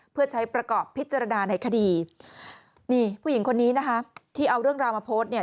เพื่อใช้ประกอบพิจารณาในคดีนี่ผู้หญิงคนนี้นะคะที่เอาเรื่องราวมาโพสต์เนี่ย